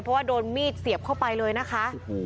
เพราะว่าโดนมีดเสียบเข้าไปเลยนะคะ